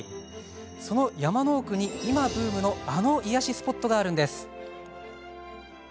その山の奥に今ブームのあの癒やしスポットがあるんです。